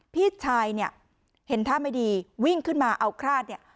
พี่ชายเนี่ยเห็นท่าไม่ดีวิ่งขึ้นมาเอาคราดเนี่ย